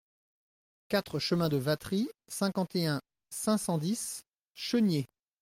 quatre chemin de Vatry, cinquante et un, cinq cent dix, Cheniers